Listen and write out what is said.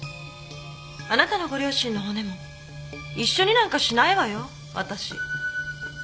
あなたのご両親の骨も一緒になんかしないわよわたし。